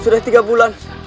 sudah tiga bulan